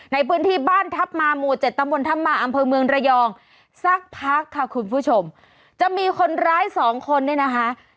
ในพื้นที่บ้านทัพมาหมู่๗ตำบลทัพมาอำเภอเมืองระยองสักพักค่ะคุณผู้ชมจะมีคนร้ายสองคนเนี่ยนะคะ